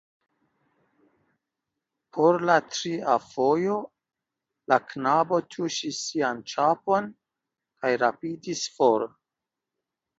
Por la tria fojo la knabo tuŝis sian ĉapon kaj rapidis for.